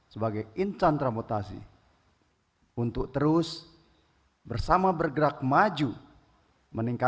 menjadi warga berguna